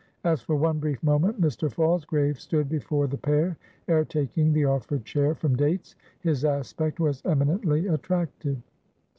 As for one brief moment Mr. Falsgrave stood before the pair, ere taking the offered chair from Dates, his aspect was eminently attractive.